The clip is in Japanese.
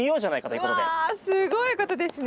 うわすごいことですね。